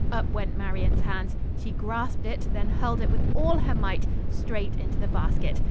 Up went Marian's hands. She grasped it, then hurled it with all her might, straight into the basket.